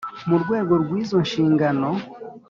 Mu rwego rw izo nshingano